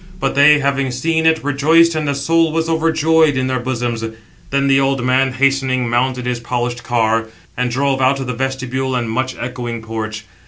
But they, having seen it, rejoiced, and the soul was overjoyed in their bosoms. Then the old man, hastening, mounted his polished car, and drove out of the vestibule and much echoing porch.